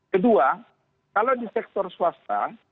kedua kalau di sektor swasta